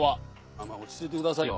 まあまあ落ち着いてくださいよ。